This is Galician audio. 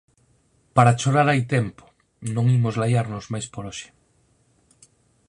Para chorar hai tempo, non imos laiarnos máis por hoxe